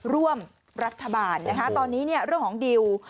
ร่วมรัฐบาลนะคะตอนนี้เนี่ยเรื่องของดิว